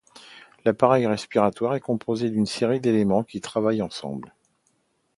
L'appareil respiratoire est composé d’une série d’éléments qui travaillent ensemble.